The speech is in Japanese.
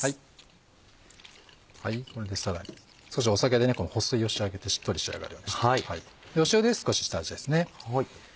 これでさらに少し酒で保水をしてあげてしっとり仕上がるようにして塩で少し下味ですね。